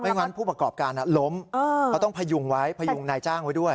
งั้นผู้ประกอบการล้มเขาต้องพยุงไว้พยุงนายจ้างไว้ด้วย